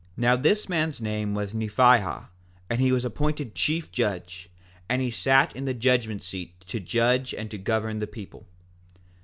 4:17 Now this man's name was Nephihah, and he was appointed chief judge; and he sat in the judgment seat to judge and to govern the people.